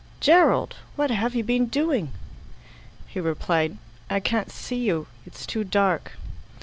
"Gerald, what have you been doing?" He replied, "I can't see you. It's too dark."